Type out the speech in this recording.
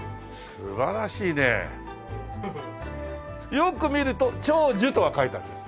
よく見ると「長寿」とは書いてあるんです。